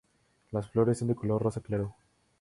Las flores son de color rosa claro.